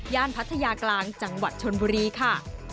พัทยากลางจังหวัดชนบุรีค่ะ